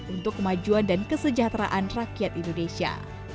untuk kemajuan dan kesejahteraan rakyat indonesia